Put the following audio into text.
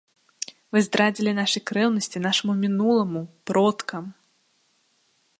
Вы здрадзілі нашай крэўнасці, нашаму мінуламу, продкам!